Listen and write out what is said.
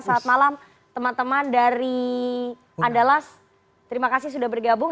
selamat malam teman teman dari andalas terima kasih sudah bergabung